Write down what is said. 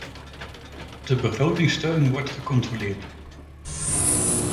De begrotingssteun wordt gecontroleerd.